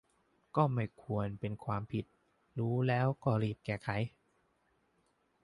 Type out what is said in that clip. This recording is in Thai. ก็ไม่ควรเป็นความผิด รู้แล้วก็รีบแก้ไข